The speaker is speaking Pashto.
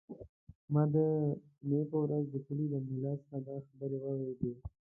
ما د جمعې په ورځ د کلي له ملا څخه دا خبرې واورېدې.